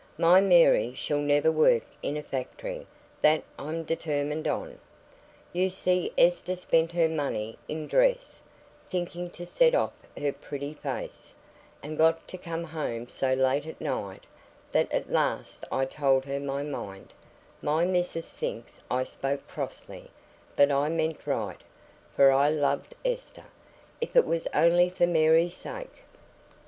My Mary shall never work in a factory, that I'm determined on. You see Esther spent her money in dress, thinking to set off her pretty face; and got to come home so late at night, that at last I told her my mind: my missis thinks I spoke crossly, but I meant right, for I loved Esther, if it was only for Mary's sake.